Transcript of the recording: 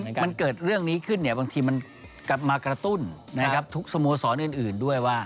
คือมันเกิดเรื่องนี้ขึ้นเนี่ยบางทีมันมากระตุ้นนะครับทุกสโมสรอื่นด้วยว่า